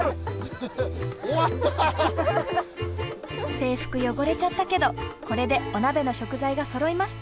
制服汚れちゃったけどこれでお鍋の食材がそろいました。